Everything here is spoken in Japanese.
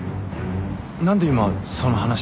何で今その話？